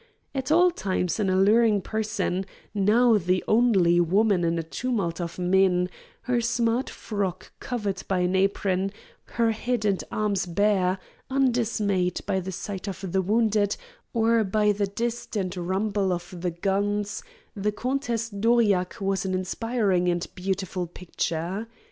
At all times an alluring person, now the one woman in a tumult of men, her smart frock covered by an apron, her head and arms bare, undismayed by the sight of the wounded or by the distant rumble of the guns, the Countess d'Aurillac was an inspiring and beautiful picture.